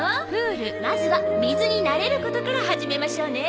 まずは水に慣れることから始めましょうね。